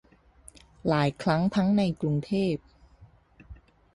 หลายครั้งทั้งในกรุงเทพ